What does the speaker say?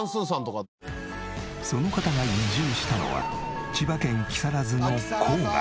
その方が移住したのは千葉県木更津の郊外。